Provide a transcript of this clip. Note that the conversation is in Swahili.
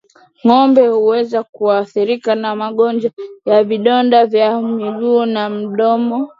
Ngombe huweza kuathirika na magonjwa ya vidonda vya miguu na midomo